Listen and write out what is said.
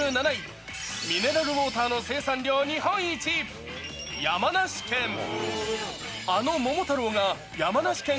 ２７位、ミネラルウォーターの生産量日本一、山梨県。